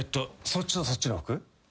そっちとそっちの服？